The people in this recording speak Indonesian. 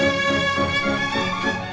hanting punya siapa ini